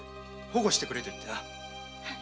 保護してくれ」と言ってな。